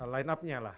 line upnya lah